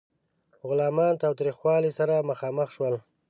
غلامان تاوتریخوالي سره مخامخ شول.